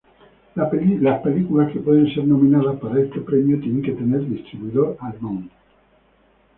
Las películas que pueden ser nominadas para este premio tienen que tener distribuidor alemán.